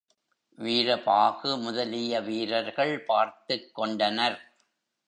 வீரபாகு முதலிய வீரர்கள் பார்த்துக் கொண்டனர்.